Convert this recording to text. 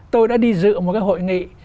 tôi đã đi dự một cái hội nghị